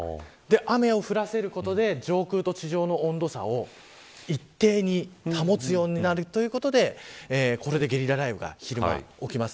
雨を降らせることで上空と地上の温度差を一定に保つようになるということでこれでゲリラ雷雨が昼間に起きます。